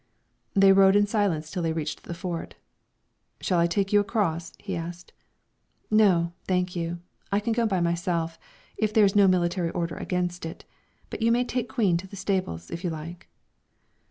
They rode in silence till they reached the Fort. "Shall I take you across?" he asked. "No, thank you; I can go by myself, if there is no military order against it; but you may take Queen to the stables, if you like."